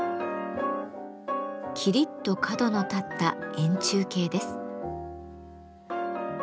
きりっと角の立った円柱形です。